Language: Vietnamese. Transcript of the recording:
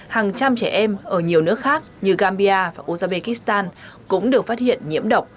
hàng trăm trẻ em ở nhiều nước khác như gambia và uzbekistan cũng được phát hiện nhiễm độc